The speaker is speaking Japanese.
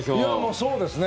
そうですね。